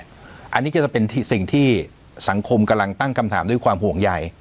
อันนี้ก็จะเป็นสิ่งที่สังคมกำลังตั้งคำถามด้วยความห่วงใหญ่